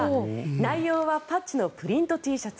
内容はパッチのプリントＴシャツ